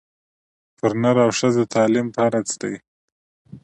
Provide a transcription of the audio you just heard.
پر نر او ښځه تعلیم فرض دی